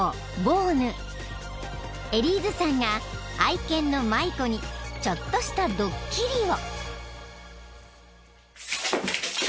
［エリーズさんが愛犬のマイコにちょっとしたドッキリを］